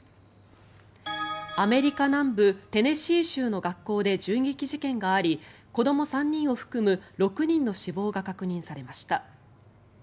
アメリカ南部テネシー州の学校で銃撃事件があり子ども３人を含む６人の死亡が確認されました。